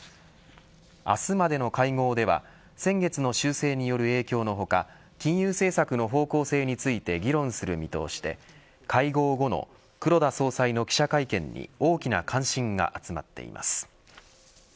明日までの会合では先月の修正による影響の他金融政策の方向性について議論する見とおしで会合後の黒田総裁の記者会見に大きな関心が集まっています。